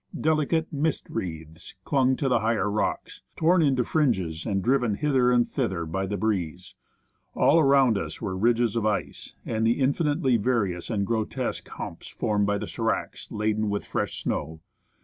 Delicate mist wreaths clung to the higher rocks, torn into fringes, and driven hither and thither by the breeze. All around us were ridges of ice, and the infinitely various and grotesque humps formed by the s^racs, laden with fresh snow.